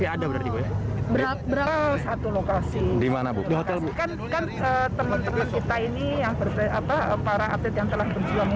anda terima kasih